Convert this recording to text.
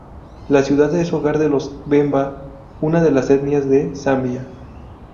La ciudad es hogar de los bemba, una de las etnias de Zambia.